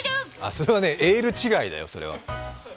それはエール違いだよ。